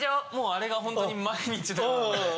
あれがホントに毎日のよう。